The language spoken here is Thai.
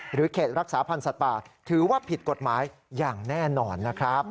เขตรักษาพันธ์สัตว์ป่าถือว่าผิดกฎหมายอย่างแน่นอนนะครับ